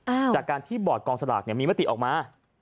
จากการที่บอร์ดกองสลากเนี่ยมีมติออกมา